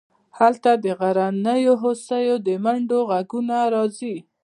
هلته د غرنیو هوسیو د منډو غږونه راځي